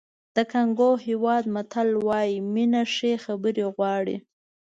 د کانګو هېواد متل وایي مینه ښې خبرې غواړي.